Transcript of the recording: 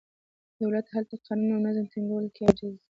دولت هلته قانون او نظم ټینګولو کې عاجز دی.